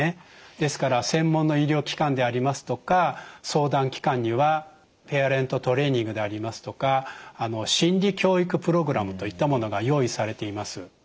ですから専門の医療機関でありますとか相談機関にはペアレントトレーニングでありますとか心理教育プログラムといったものが用意されています。